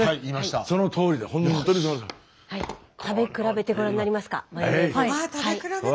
食べ比べてごらんになりますか？